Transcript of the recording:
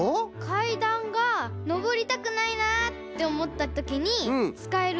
かいだんがのぼりたくないなっておもったときにつかえるね。